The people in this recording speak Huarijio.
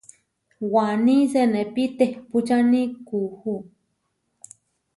Waní senépi tehpúčani kuú.